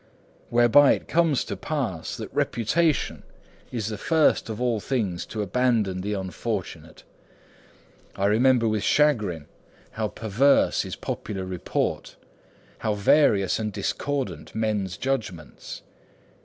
Whereby it comes to pass that reputation is the first of all things to abandon the unfortunate. I remember with chagrin how perverse is popular report, how various and discordant men's judgments.